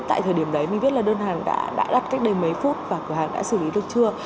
tại thời điểm đấy mình biết là đơn hàng đã đặt cách đây mấy phút và cửa hàng đã xử lý được chưa